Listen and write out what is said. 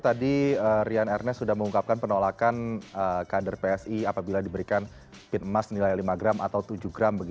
tadi rian ernest sudah mengungkapkan penolakan kader psi apabila diberikan pin emas nilai lima gram atau tujuh gram